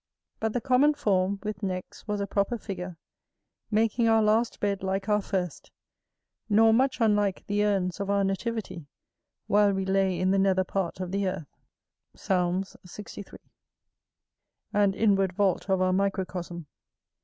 But the common form with necks was a proper figure, making our last bed like our first; nor much unlike the urns of our nativity while we lay in the nether part of the earth,[AS] and inward vault of our microcosm.